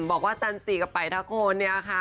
บอกว่าจันทรีย์กับปลายทะโคนเนี่ยค่ะ